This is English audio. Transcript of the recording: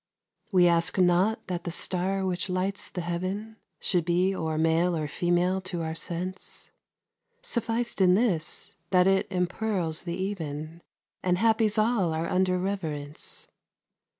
We ask not that the star which lights the heaven Should be or male or female to our sense, Suffic'd in this, that it empearls the even, And happies all our under reverence.